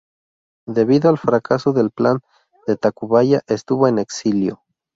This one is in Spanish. Debido al fracaso del Plan de Tacubaya estuvo en exilio.